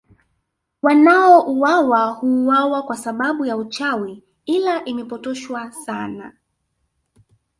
Wanaouwawa huuwawa kwa sababu ya uchawi ila imepotoshwa sana